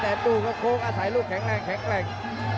แต่ดูล่ะโค๊กอาศัยรูเป็นแข็งแร่ง